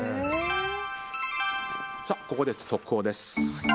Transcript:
ここで速報です。